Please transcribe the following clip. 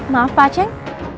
maaf pak ceng